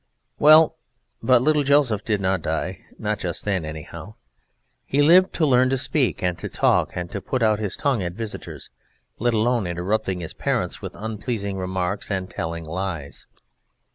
Well, but little Joseph did not die not just then, anyhow. He lived to learn to speak, and to talk, and to put out his tongue at visitors, let alone interrupting his parents with unpleasing remarks and telling lies.